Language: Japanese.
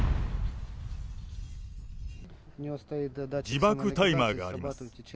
自爆タイマーがあります。